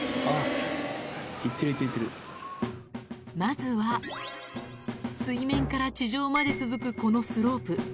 まずは、水面から地上まで続くこのスロープ。